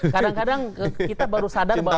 kadang kadang kita baru sadar bahwa